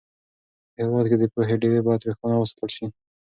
په هېواد کې د پوهې ډېوې باید روښانه وساتل سي.